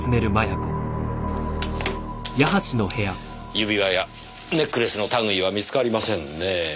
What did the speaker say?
指輪やネックレスのたぐいは見つかりませんねぇ。